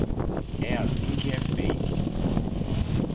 É assim que é feito!